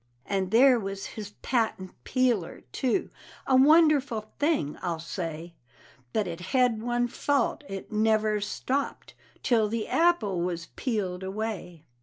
And there was his "patent peeler," too, a wonderful thing I'll say; But it hed one fault it never stopped till the apple was peeled away.